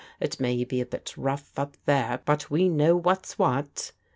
It may be a bit rough up there, but we know what's what."